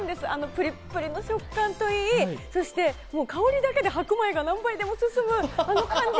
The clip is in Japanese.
プリプリの食感といい、香りだけで白米が何杯でも進むあの感じ。